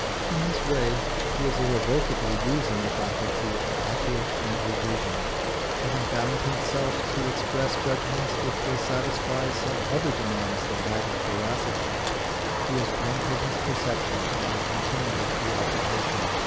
In this way he is irrevocably losing the faculty of accurate mental vision: having bound himself to express judgments which will satisfy some other demands than that of veracity, he has blunted his perceptions by continual preoccupation.